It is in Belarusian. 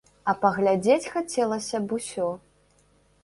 А паглядзець хацелася б усё!